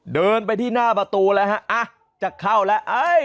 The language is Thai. เดินไปที่หน้าประตูแล้วฮะจะเข้าแล้ว